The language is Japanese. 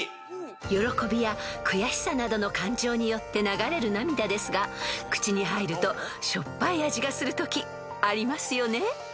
［喜びや悔しさなどの感情によって流れる涙ですが口に入るとしょっぱい味がするときありますよね？］